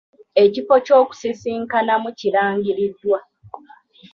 Ekifo ky'okusisinkanamu kirangiriddwa.